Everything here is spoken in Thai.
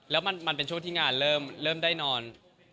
แล้วมันเป็นช่วงที่งานเริ่มได้นอน